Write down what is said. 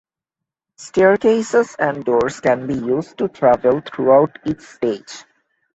Staircases and doors can be used to travel throughout each stage.